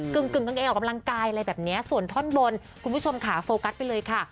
ึ่งกางเกงออกกำลังกายอะไรแบบนี้ส่วนท่อนบนคุณผู้ชมค่ะโฟกัสไปเลยค่ะ